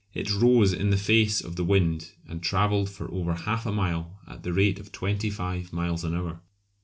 It rose in the face of the wind and travelled for over half a mile at the rate of twenty five miles an hour.